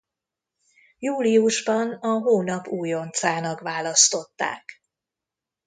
Júliusban a hónap újoncának választották.